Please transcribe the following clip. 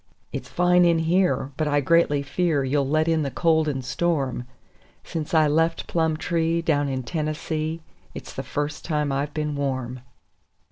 It's fine in here, but I greatly fear you'll let in the cold and storm Since I left Plumtree, down in Tennessee, it's the first time I've been warm."